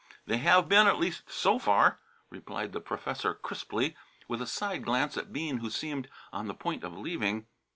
"They have been, at least so far," replied the professor crisply, with a side glance at Bean who seemed on the point of leaving.